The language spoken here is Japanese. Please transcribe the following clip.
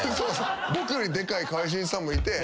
僕よりでかい川合俊一さんもいて。